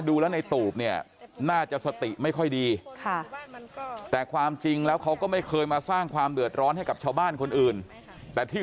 ดูแล้วในตูบเนี่ยน่าจะสติไม่ค่อยดี